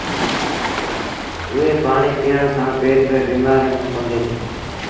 اُئي ڦآڻيٚ پيٚئڻ سآݩ پيٽ ريٚݩ بيٚمآريٚݩ با ڪونديٚݩ ٿئيٚݩ۔